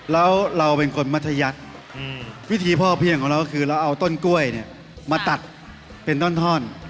แล้วเราเป็นคนมัธยัติวิธีพ่อเพียงของเราก็คือเราเอาต้นกล้วยมาตัดเป็นท่อน